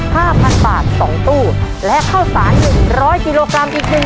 และเข้าสารอยู่๑๐๐กิโลกรัมอีก๑ตู้